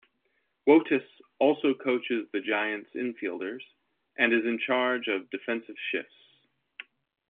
Wotus also coaches the Giants' infielders and is in charge of defensive shifts.